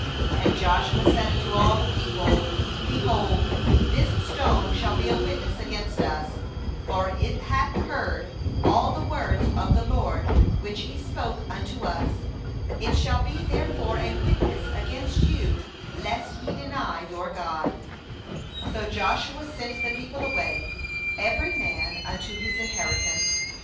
27And Joshua said unto all the people: 'Behold, this stone shall be a witness against us; for it hath heard all the words of the LORD which He spoke unto us; it shall be therefore a witness against you, lest ye deny your God/ 28So Joshua sent the people away, every man unto his inheritance.